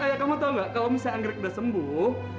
kayak kamu tahu nggak kalau misalnya anggrek sudah sembuh